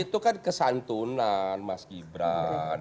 itu kan kesantunan mas gibran